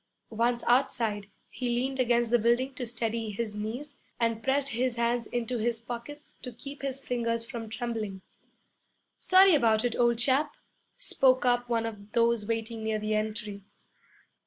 Once outside, he leaned against the building to steady his knees, and pressed his hands into his pockets to keep his fingers from trembling. 'Sorry about it, old chap!' spoke up one of those waiting near the entry.